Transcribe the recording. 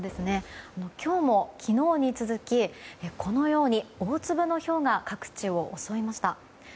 今日も昨日に続きこのように大粒のひょうが各地を襲いました。